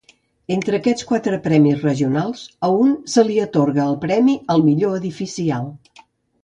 Entre aquests quatre premis regionals, a un se li atorga el Premi al Millor edifici alt.